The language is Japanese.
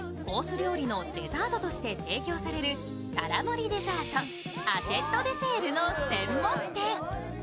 料理のデザートとして提供される皿盛りデザート、アシェットデセールの専門店。